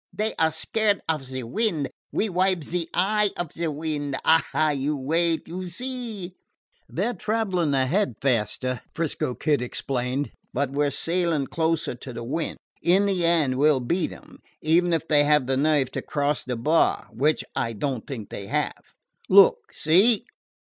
Dey are scared of ze wind; we wipe ze eye of ze wind. Ah! you wait, you see." "They 're traveling ahead faster," 'Frisco Kid explained, "but we 're sailing closer to the wind. In the end we 'll beat them, even if they have the nerve to cross the bar which I don't think they have. Look! See!"